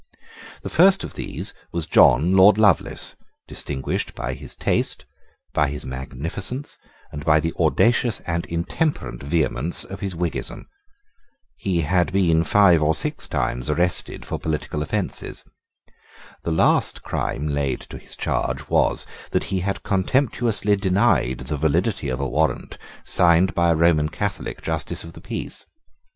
The first of these was John Lord Lovelace, distinguished by his taste, by his magnificence, and by the audacious and intemperate vehemence of his Whiggism. He had been five or six times arrested for political offences. The last crime laid to his charge was, that he had contemptuously denied the validity of a warrant, signed by a Roman Catholic Justice of the Peace.